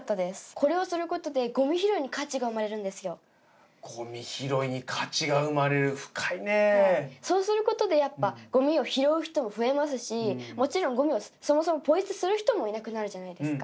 これをすることで、ごみ拾いに価ごみ拾いに価値が生まれる、そうすることで、やっぱ、ごみを拾う人も増えますし、もちろん、ごみをそもそもぽい捨てする人もいなくなるじゃないですか。